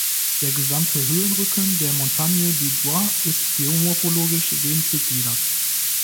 Der gesamte Höhenrücken der Montagne du Droit ist geomorphologisch wenig gegliedert.